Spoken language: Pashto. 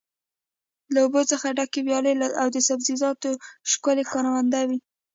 له اوبو څخه ډکې ویالې او د سبزیجاتو ښکلې کروندې وې.